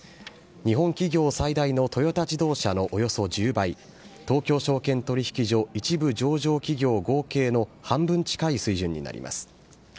日本企業最大のトヨタ自動車のおよそ１０倍、東京証券取引所一部上場企業合計の半分近い水準になります。